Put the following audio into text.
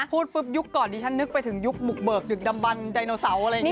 พูดปุ๊บยุคก่อนดิฉันนึกไปถึงยุคบุกเบิกดึกดำบันไดโนเสาร์อะไรอย่างนี้